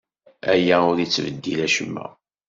Aya ur yettbeddil acemma.